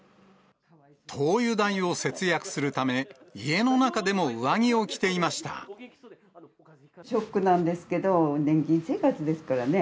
灯油代を節約するため、ショックなんですけど、年金生活ですからね。